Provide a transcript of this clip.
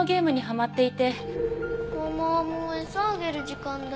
ママもう餌あげる時間だよ。